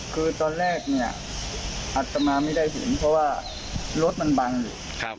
คือตอนแรกเนี่ยอัตมาไม่ได้เห็นเพราะว่ารถมันบังอยู่